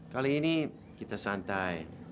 kali ini kita santai